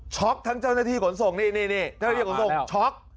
ทั้งเจ้าหน้าที่ขนส่งนี่นี่เจ้าหน้าที่ขนส่งช็อก